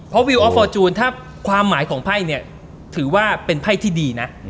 เพราะวิวออฟฟอร์จูนถ้าความหมายของไพ่เนี่ยถือว่าเป็นไพ่ที่ดีนะ